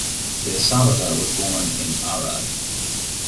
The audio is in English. De Sabata was born in Arad.